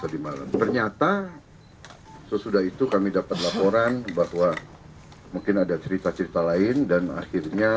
tadi malam ternyata sesudah itu kami dapat laporan bahwa mungkin ada cerita cerita lain dan akhirnya